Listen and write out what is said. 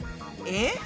えっ？